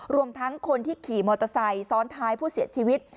รวมทั้งคนที่ขี่มอเตอร์ไซค์ซ้อนท้ายผู้เสียชีวิต